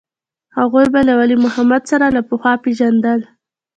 هغوى به له ولي محمد سره له پخوا پېژندل.